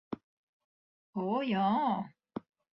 O, jā!